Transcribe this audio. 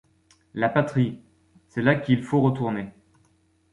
La patrie !… c’est là qu’il faut retourner